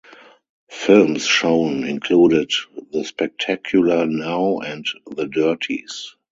Films shown included "The Spectacular Now" and "The Dirties".